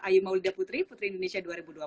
ayu maulida putri putri indonesia dua ribu dua puluh